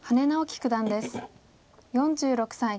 ４６歳。